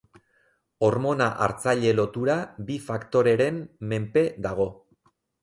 Hormona-hartzaile lotura bi faktoreren menpe dago.